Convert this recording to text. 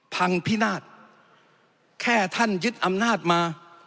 พินาศแค่ท่านยึดอำนาจมา